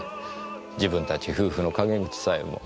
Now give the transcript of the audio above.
自分たち夫婦の陰口さえも。